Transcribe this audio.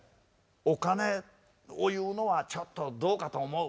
「お金を言うのはちょっとどうかと思う。